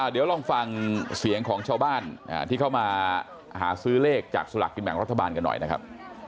เดี๋ยวลองฟังเสียงของชาวบ้านที่เข้ามาหาซื้อเลขจากสลักกินแบ่งรัฐบาลกันหน่อยนะครับ